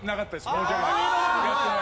申し訳ない。